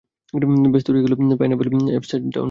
ব্যাস তৈরি হয়ে গেল pineapple upside down cake.